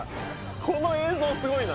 この映像すごいな。